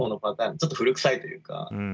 ちょっと古くさいというか。